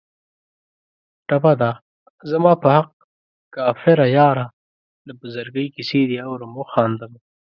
ټپه ده: زما په حق کافره یاره د بزرګۍ کیسې دې اورم و خاندمه